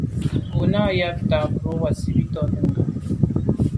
Bú nâ' yɑ́p tà' mbrò wàsìbìtǎ Nùnga.